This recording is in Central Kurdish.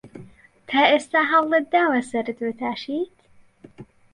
تا ئێستا هەوڵت داوە سەرت بتاشیت؟